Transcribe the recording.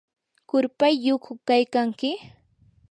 ¿qurpayyuqku kaykanki?